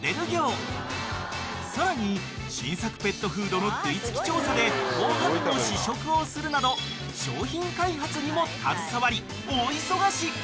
［さらに新作ペットフードの食い付き調査でご飯の試食をするなど商品開発にも携わり大忙し］